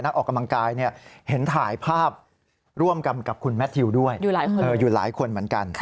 ออกกำลังกายเห็นถ่ายภาพร่วมกันกับคุณแมททิวด้วยอยู่หลายคนเหมือนกัน